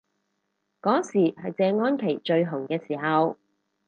嗰時係謝安琪最紅嘅時候